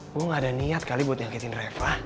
gua gak ada niat kali buat nyakitin reva